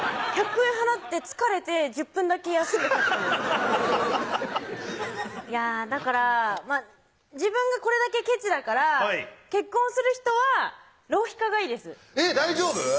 １００円払って疲れて１０分だけ休んで帰ってくるいやだから自分がこれだけケチだから結婚する人は浪費家がいいです大丈夫？